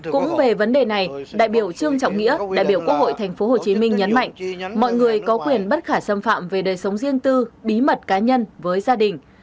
cũng về vấn đề này đại biểu trương trọng nghĩa đại biểu quốc hội tp hcm nhấn mạnh mọi người có quyền bất khả xâm phạm về đời sống riêng tư bí mật cá nhân với gia đình